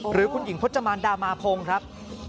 หรือคุณหญิงพจมานดามาพงศ์ครับ